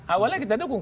awalnya kita dukung